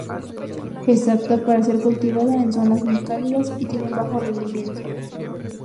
Es apta para ser cultivada en zonas muy cálidas y tiene un bajo rendimiento.